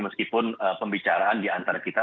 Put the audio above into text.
meskipun pembicaraan diantara kita